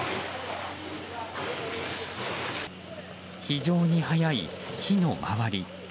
非常に速い火の回り。